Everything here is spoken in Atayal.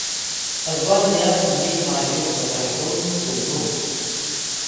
’bwan nya cmi mayung bbhun tunux